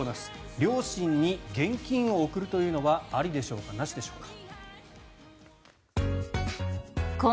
両親に現金を贈るというのはありでしょうかなしでしょうか。